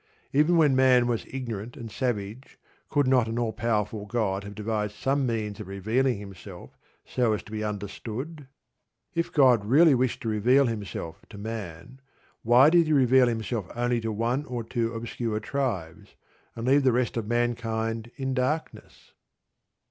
Even when man was ignorant and savage, could not an all powerful God have devised some means of revealing Himself so as to be understood? If God really wished to reveal Himself to man, why did He reveal Himself only to one or two obscure tribes, and leave the rest of mankind in darkness?